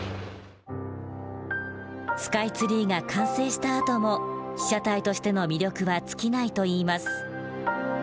「スカイツリーが完成したあとも被写体としての魅力は尽きない」と言います。